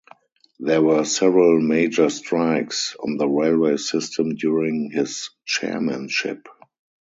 There were several major strikes on the railway system during his chairmanship.